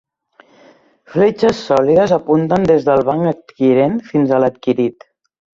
Fletxes sòlides apunten des del banc adquirent fins a l'adquirit.